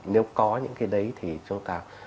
nếu có những cái đấy thì chúng ta